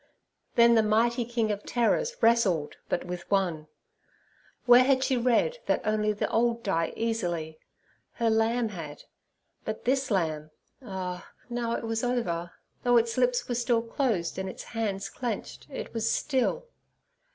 Then the mighty King of Terrors wrestled but with one. Where had she read that only the old die easily? Her lamb had; but this lamb—Ah! now it was over: though its lips were still closed and its hands clenched, it was still.